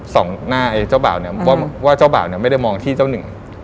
ส่องหน้าเจ้าบ่าวว่าเจ้าบ่าวไม่ได้มองที่เจ้าหนึ่ง